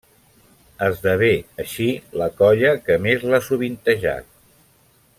Esdevé, així, la colla que més l'ha sovintejat.